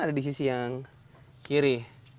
ada di sisi yang kiri